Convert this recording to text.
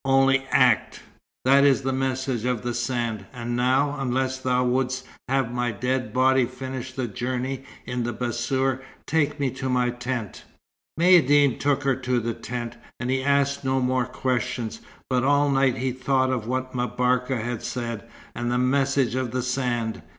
Only act! That is the message of the sand. And now, unless thou wouldst have my dead body finish the journey in the bassour, take me to my tent." Maïeddine took her to the tent. And he asked no more questions. But all night he thought of what M'Barka had said, and the message of the sand.